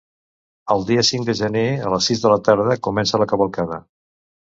El dia cinc de gener, a les sis de la tarda, comença la cavalcada.